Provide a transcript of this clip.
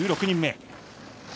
１６人目。